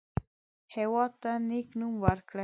هېواد ته نیک نوم ورکړئ